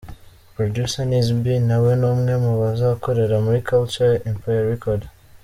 Producer Niz B nawe ni umwe mu bazakorera muri Culture Empire Record.